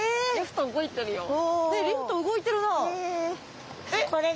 リフト動いてるなあ。